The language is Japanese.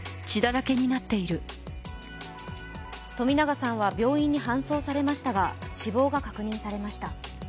冨永さんは病院に搬送されましたが死亡が確認されました。